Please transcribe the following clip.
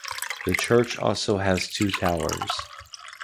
The church also has two towers.